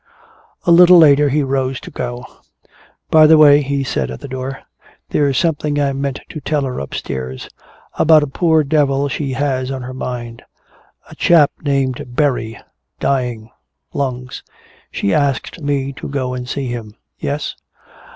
A little later he rose to go. "By the way," he said, at the door, "there's something I meant to tell her upstairs about a poor devil she has on her mind. A chap named Berry dying lungs. She asked me to go and see him." "Yes?"